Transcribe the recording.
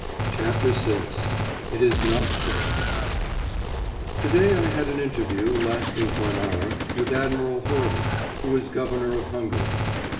CHAPTER VI—IT IS NOT SAFE Today I had an interview, lasting for an hour, with Admiral Horthy, who is Governor of Hungary.